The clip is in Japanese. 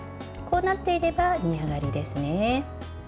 こうなっていれば煮上がりですね。